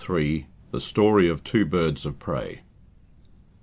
THE STORY OF TWO BIRDS OF PREY.